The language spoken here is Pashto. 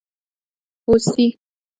🦌 هوسي